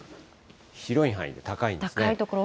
広い範囲で高いんですね。